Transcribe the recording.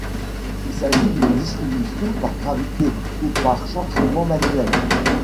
Il s'agit d’une distribution par gravité ou par chargement manuel.